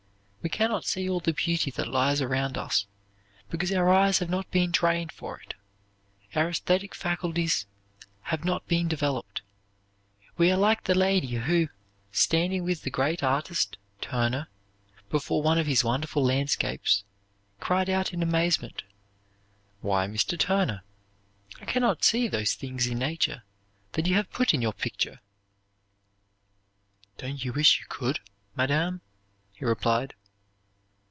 We can not see all the beauty that lies around us, because our eyes have not been trained to see it; our esthetic faculties have not been developed. We are like the lady who, standing with the great artist, Turner, before one of his wonderful landscapes, cried out in amazement: "Why, Mr. Turner, I can not see those things in nature that you have put in your picture." "Don't you wish you could, madam?" he replied.